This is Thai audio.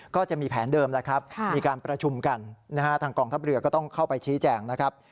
ก็จะมีแผนเดิมแล้วครับมีการประชุมกันนะฮะทางกองทัพเรือก็ต้องเข้าไปชี้แจงนะครับ